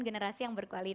generasi yang berkualitas